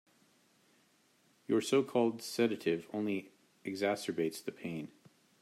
Your so-called sedative only exacerbates the pain.